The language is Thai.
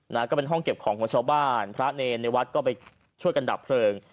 นะก็เป็นห้องเก็บของของชาวบ้านพระเนรในวัดก็ไปช่วยกันดับเพลิง